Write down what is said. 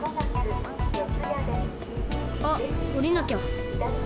あっおりなきゃ。